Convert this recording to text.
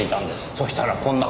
そしたらこんな事に。